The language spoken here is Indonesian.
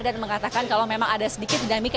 mengatakan kalau memang ada sedikit dinamika